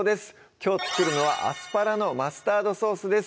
きょう作るのは「アスパラのマスタードソース」です